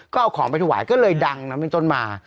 ก็เอาของไปถวายก็เลยดังนั้นเป็นต้นมา